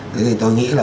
thế thì tôi nghĩ là